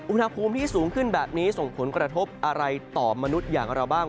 อุณหภูมิที่สูงขึ้นแบบนี้ส่งผลกระทบอะไรต่อมนุษย์อย่างเราบ้าง